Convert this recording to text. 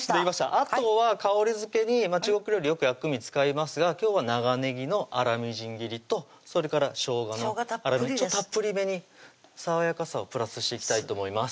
あとは香りづけに中国料理よく薬味使いますが今日は長ねぎの粗みじん切りとそれからしょうがの粗みじんたっぷりめに爽やかさをプラスしていきたいと思います